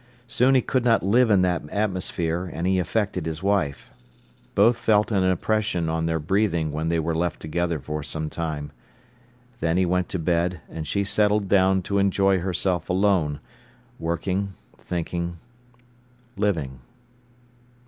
Soon he could not live in that atmosphere, and he affected his wife. Both felt an oppression on their breathing when they were left together for some time. Then he went to bed and she settled down to enjoy herself alone, working, thinking, living.